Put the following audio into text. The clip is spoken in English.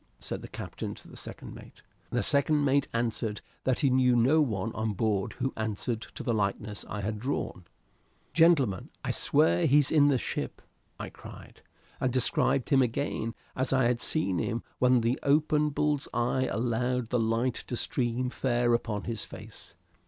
said the captain to the second mate. The second mate answered that he knew no one on board who answered to the likeness I had drawn. "Gentlemen, I swear he's in the ship!" I cried, and described him again as I had seen him when the open bull's eye allowed the light to stream fair upon his face.